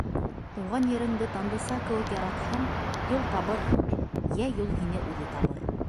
Тыуған ереңде Тандыса кеүек яратһаң, юл табырһың, йә юл һине үҙе табыр...